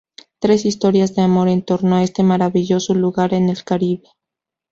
Tres historias de Amor en torno a este maravilloso lugar en el Caribe.